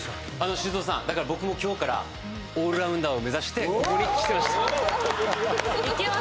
修造さんだから、僕も今日からオールランダーを目指してここに来てます。